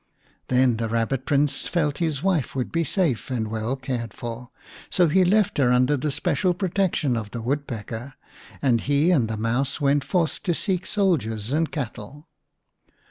Then the Rabbit Prince felt his wife would be safe and well cared for, so he left her under the special protection of the Woodpecker, and he 56 v The Rabbit Prince and the Mouse went forth to seek soldiers and cattle.